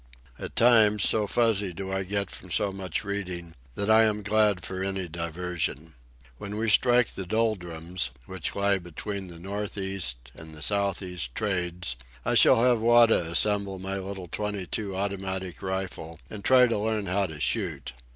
At times, so fuzzy do I get from so much reading, that I am glad for any diversion. When we strike the doldrums, which lie between the north east and the south east trades, I shall have Wada assemble my little twenty two automatic rifle and try to learn how to shoot.